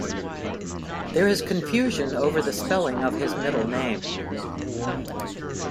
There is confusion over the spelling of his middle name.